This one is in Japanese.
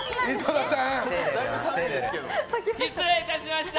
失礼いたしました。